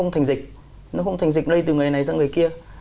thành dịch nó không thành dịch lây từ người này sang người kia